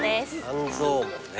半蔵門ね。